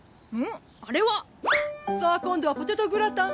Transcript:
さあ今度はポテトグラタン。